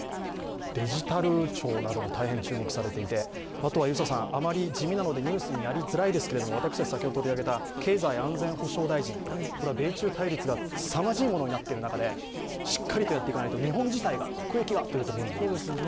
デジタル庁なども大変注目されていて、あとは、地味なのでニュースになりづらいですが経済安全保障大臣、米中対立がすさまじいものになっている中でしっかりとやっていかないと、日本自体が、国益がということなりますね。